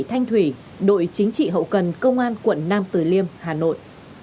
thủy thanh thủy đội chính trị hậu cần công an quận nam tử liêm hà nội